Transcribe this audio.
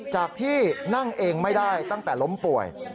จากที่นั่งเองไม่ได้ตั้งแต่ล้มป่วย